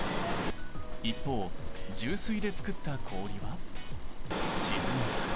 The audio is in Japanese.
一方重水で作った氷は沈んだ。